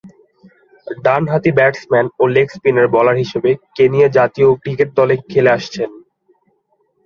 ডানহাতি ব্যাটসম্যান ও leg spin bowler হিসেবে কেনিয়া জাতীয় ক্রিকেট দলে খেলে আসছেন।